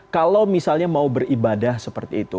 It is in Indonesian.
kalau misalnya mau beribadah seperti itu